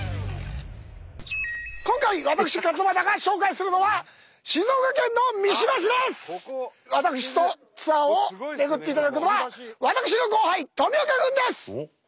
今回私勝俣が紹介するのは私とツアーを巡っていただくのは私の後輩富岡君です！